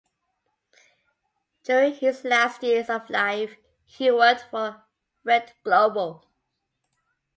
During his last years of life he worked for Rede Globo.